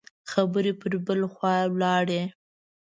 خبرې پر بل خوا لاړې.